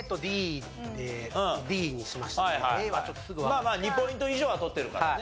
まあまあ２ポイント以上は取ってるからね。